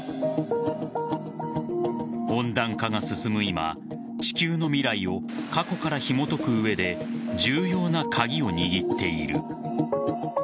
温暖化が進む今、地球の未来を過去からひもとく上で重要な鍵を握っている。